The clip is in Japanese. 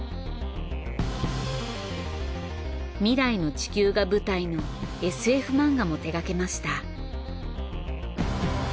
未来の地球が舞台のＳＦ漫画も手がけました。